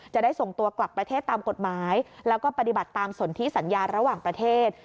จะได้ส่งตัวกลับประเทศตามกฎหมายแล้วก็ปฏิบัติตามสนที่สัญญาระหว่างประเทศ